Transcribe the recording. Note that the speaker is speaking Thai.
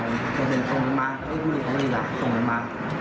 ส่งเงินมา